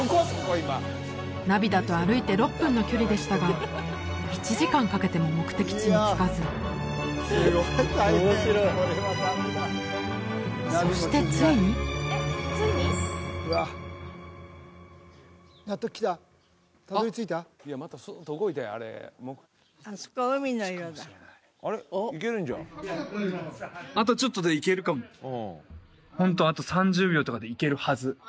ナビだと歩いて６分の距離でしたが１時間かけても目的地に着かずそしてついにあっあとちょっとで行けるかもホントあと３０秒とかで行けるはず